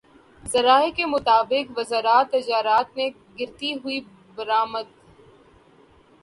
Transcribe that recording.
ذرائع کے مطابق وزارت تجارت نے گرتی ہوئی برآمدات